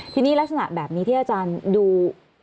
ทีนี้ลักษณะแบบนี้ที่อาจารย์ดู